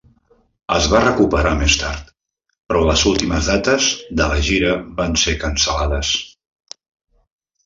Es va recuperar més tard, però les últimes dates de la gira van ser cancel·lades.